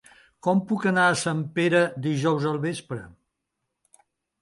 Com puc anar a Sempere dijous al vespre?